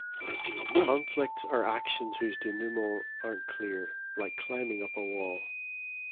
Conflicts are actions whose denouements aren't clear, like climbing up a wall.